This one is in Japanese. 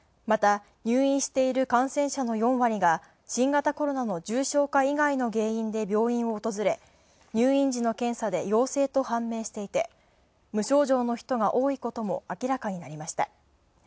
また、入院している感染者の４割が新型コロナの重症化以外の原因で病院を訪れ、入院時の検査で陽性と判明していて無症状が多いことも明らかになりました。